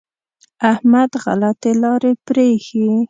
احمد غلطې لارې پرېښې.